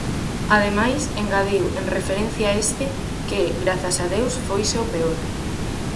Ademais, engadiu en referencia a este que, "grazas a deus foise o peor".